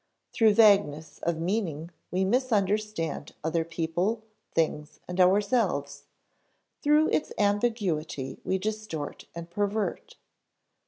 Through vagueness of meaning we misunderstand other people, things, and ourselves; through its ambiguity we distort and pervert.